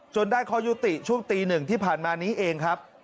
ได้ข้อยุติช่วงตีหนึ่งที่ผ่านมานี้เองครับ